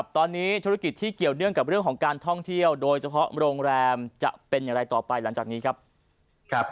ตอนนี้ธุรกิจที่เกี่ยวเนื่องกับเรื่องของการท่องเที่ยวโดยเฉพาะโรงแรมจะเป็นอย่างไรต่อไปหลังจากนี้ครับ